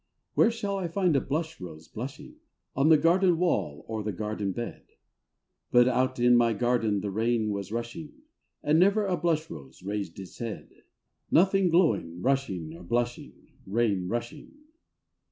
11. Where shall I find a blush rose blushing ?— On the garden wall or the garden bed. — But out in my garden the rain was rushing And never a blush rose raised its head. Nothing glowing, flushing or blushing: Rain rushing.